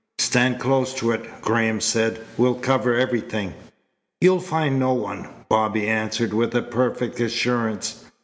"Stand close to it," Graham said. "We'll cover everything." "You'll find no one," Bobby answered with a perfect assurance.